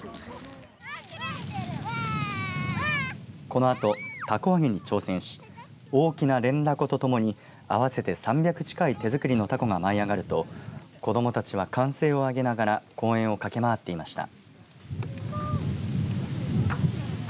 このあと、たこあげに挑戦し大きな連だことともに合わせて３００近い手作りのたこが舞い上がると子どもたちは歓声を上げながら公園を駆け回っていました。